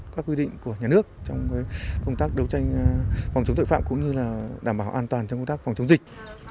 các quy định của nhà nước trong công tác đấu tranh phòng chống tội phạm cũng như là đảm bảo an toàn trong công tác phòng chống dịch